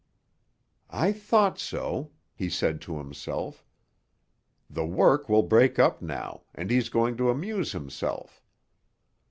"I thought so," he said to himself. "The work will break up now, and he's going to amuse himself.